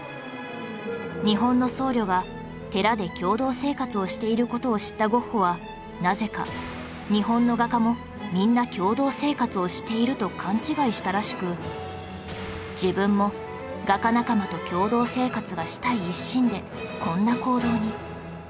日本の僧侶が寺で共同生活をしている事を知ったゴッホはなぜか日本の画家もみんな共同生活をしていると勘違いしたらしく自分も画家仲間と共同生活がしたい一心でこんな行動に